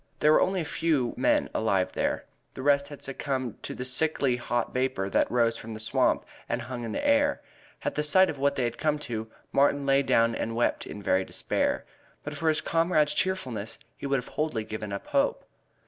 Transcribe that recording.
There were only a few wan men alive there the rest had succumbed to the sickly hot vapor that rose from the swamp and hung in the air. At the sight of what they had come to, Martin lay down and wept in very despair. But for his comrade's cheerfulness he would have wholly given up hope.